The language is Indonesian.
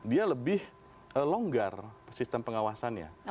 dia lebih longgar sistem pengawasannya